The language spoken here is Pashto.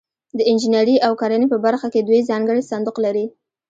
د انجنیري او کرنې په برخه کې دوی ځانګړی صندوق لري.